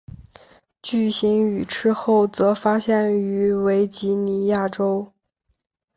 巨型羽翅鲎则发现于维吉尼亚州。